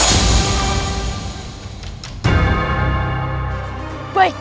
aku akan lakukan perintahmu